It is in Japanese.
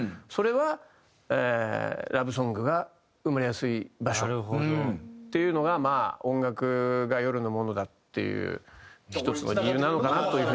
それはラブソングが生まれやすい場所っていうのがまあ音楽が夜のものだっていう１つの理由なのかなという風にね